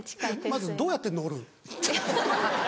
まずどうやって乗る？